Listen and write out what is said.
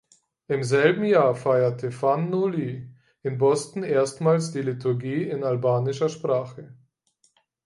Im selben Jahr feierte Fan Noli in Boston erstmals die Liturgie in albanischer Sprache.